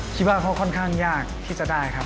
คิดว่าเขาค่อนข้างยากที่จะได้ครับ